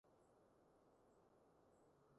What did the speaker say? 我哋嘅產品都係防過敏㗎